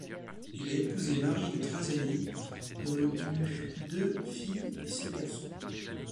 Il a épousé Marie de Trazegnies dont il eut deux filles et sept garçons.